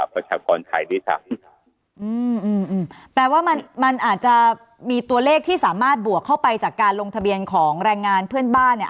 ประชากรไทยด้วยซ้ำอืมแปลว่ามันมันอาจจะมีตัวเลขที่สามารถบวกเข้าไปจากการลงทะเบียนของแรงงานเพื่อนบ้านเนี่ย